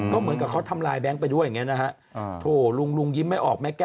ก็เหมือนกับเค้าทำลายแบงค์ไปด้วยอย่างนี้นะฮะ